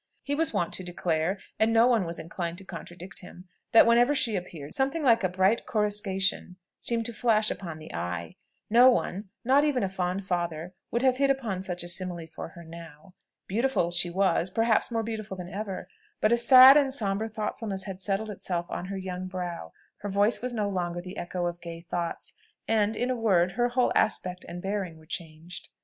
He was wont to declare, and no one was inclined to contradict him, that whenever she appeared, something like a bright coruscation seemed to flash upon the eye. No one, not even a fond father, would have hit upon such a simile for her now. Beautiful she was, perhaps more beautiful than ever; but a sad and sombre thoughtfulness had settled itself on her young brow, her voice was no longer the echo of gay thoughts, and, in a word, her whole aspect and bearing were changed.